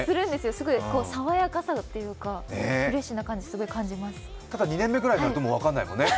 すごいさわやかさというか、フレッシュな感じ、すごい感じますただ、２年目ぐらいになると分からなくなるもんね。